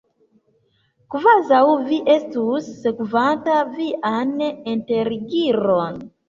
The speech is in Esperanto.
Kvazaŭ vi estus sekvanta vian enterigiron!